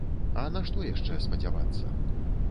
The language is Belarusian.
А на што яшчэ спадзявацца?